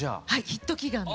ヒット祈願で。